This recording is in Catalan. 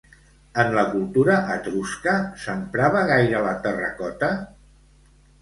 En la cultura etrusca, s'emprava gaire la terracota?